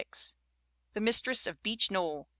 The Mistress of Beech Knoll, 1887.